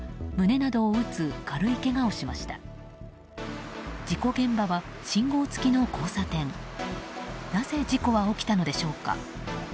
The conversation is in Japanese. なぜ事故は起きたのでしょうか。